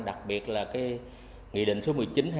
đặc biệt là nghị định số một mươi chín hai nghìn một mươi chín